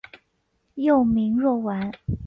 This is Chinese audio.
幼名若丸。